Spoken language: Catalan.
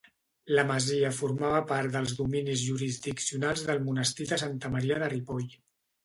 La masia formava part dels dominis jurisdiccionals del monestir de Santa Maria de Ripoll.